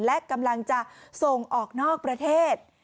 และกำลังจะส่งออกนอกประเทศ